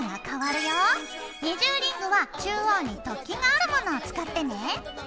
二重リングは中央に突起があるものを使ってね。